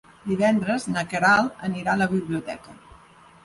Divendres na Queralt anirà a la biblioteca.